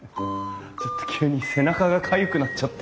ちょっと急に背中がかゆくなっちゃって。